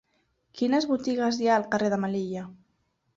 Quines botigues hi ha al carrer de Melilla?